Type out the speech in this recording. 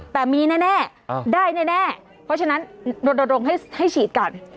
แต่มีแน่ได้แน่เพราะฉะนั้นรณรงค์ให้ฉีดก่อน